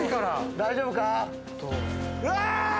大丈夫か？